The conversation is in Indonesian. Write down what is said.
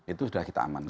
itu sudah kita amankan